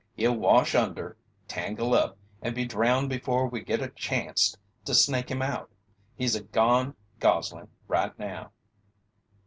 He'll wash under, tangle up, and be drowned before we get a chanst to snake him out. He's a gone goslin' right now."